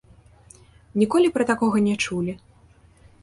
Ніколі пра такога не чулі?